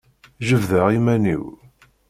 Jebdeɣ iman-iw.